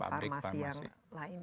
farmasi yang lain